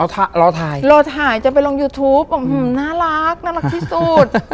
อ้าวรอถ่ายรอถ่ายจะไปลงยูทูปอืมน่ารักน่ารักที่สุด